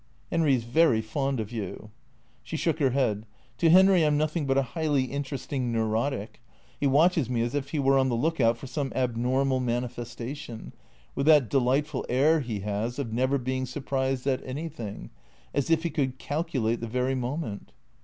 " Henry's very fond of you." She shook her head. " To Henry I 'm nothing but a highly interesting neurotic. He watches me as if he were on the look out for some abnormal manifestation, with that delightful air he has of never being surprised at anything, as if he could calculate the very mo ment."